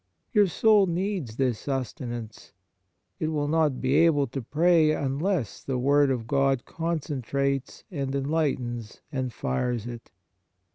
Your soul needs this sustenance ; it will not be able to pray unless the word of God concen trates and enlightens and fires it.